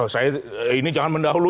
saya ini jangan mendahului